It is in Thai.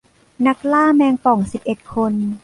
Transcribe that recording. นักล่าแมงป่องสิบเอ็ดคน